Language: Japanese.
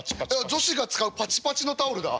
女子が使うパチパチのタオルだ。